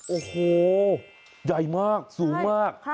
โอ้โหใหญ่มากสูงมาก